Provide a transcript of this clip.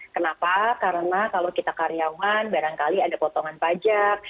kenapa karena kalau kita karyawan barangkali ada potongan pajak